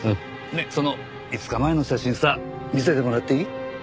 その５日前の写真さ見せてもらっていい？